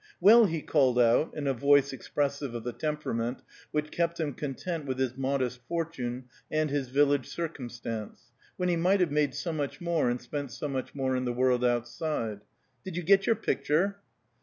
"Well," he called out, in a voice expressive of the temperament which kept him content with his modest fortune and his village circumstance, when he might have made so much more and spent so much more in the world outside, "did you get your picture?"